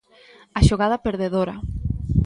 A xogada perdedora.